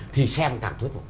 thì xem càng thuyết phục